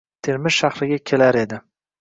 Termiz shahriga kelar edi.